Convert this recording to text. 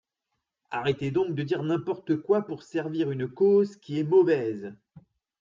Arrêtez donc de dire n’importe quoi pour servir une cause qui est mauvaise.